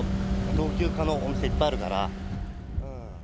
老朽化のお店、いっぱいあるから。